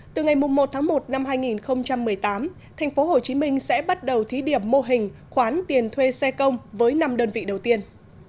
từ ngày một tháng một năm hai nghìn một mươi tám tp hcm sẽ bắt đầu thí điểm mô hình khoán tiền thuê xe công với năm đơn vị đầu tiên